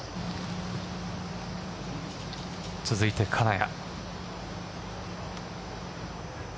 続いて金谷。